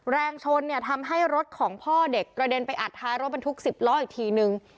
แรงชนเนี่ยทำให้รถของพ่อเด็กกระเด็นไปอัดท้ายรถบรรทุก๑๐ล้ออีกทีนึง